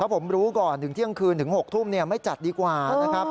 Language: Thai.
ผมรู้ก่อนถึงเที่ยงคืนถึง๖ทุ่มไม่จัดดีกว่านะครับ